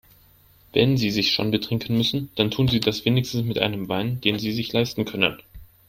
Wenn Sie sich schon betrinken müssen, dann tun Sie das wenigstens mit einem Wein, den Sie sich leisten können.